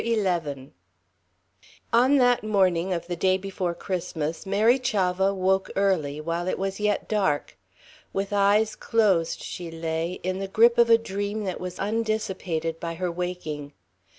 XI On that morning of the day before Christmas, Mary Chavah woke early, while it was yet dark. With closed eyes she lay, in the grip of a dream that was undissipated by her waking.